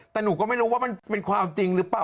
แต่หนูก็ไม่รู้ว่ามันเป็นความจริงหรือเปล่า